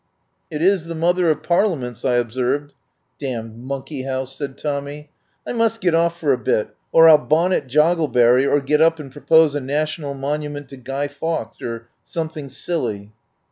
"It is the Mother of Parliaments," I ob served. "Damned monkey house," said Tommy. "I must get off for a bit, or I'll bonnet Joggle berry or get up and propose a national monu ment to Guy Fawkes, or something silly."